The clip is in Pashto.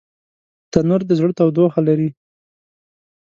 تنور د زړه تودوخه لري